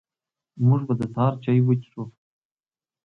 موږ به د سهار چاي وڅښو